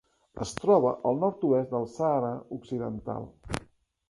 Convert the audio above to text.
Es troba al nord-oest del Sàhara Occidental.